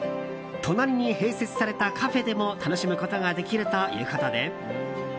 隣に併設されたカフェでも楽しむことができるということで。